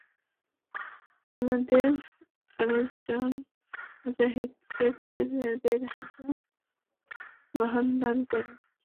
তারপর আরেক দল মুজাহিদকে দেড় হাজার বাহন দান করলেন।